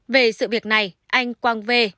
về sự việc này anh quang v